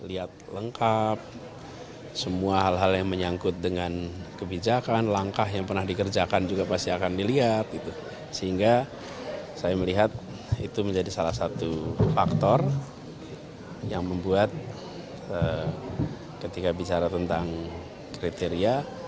ikut menentukan kalau bermasalah kan masalahnya jadi